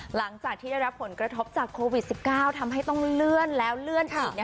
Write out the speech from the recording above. หลังจากที่ได้รับผลกระทบจากโควิด๑๙ทำให้ต้องเลื่อนแล้วเลื่อนอีก